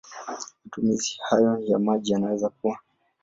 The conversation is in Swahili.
Matumizi hayo ya maji yanaweza kuwa